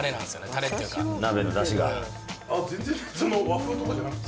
タレっていうか鍋のだしが全然和風とかじゃなくて？